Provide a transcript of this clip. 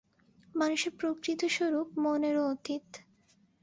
মানুষের প্রকৃত স্বরূপ মনেরও অতীত।